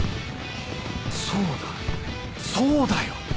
そうだそうだよ